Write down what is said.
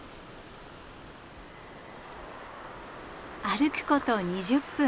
歩くこと２０分。